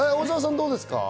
どうですか？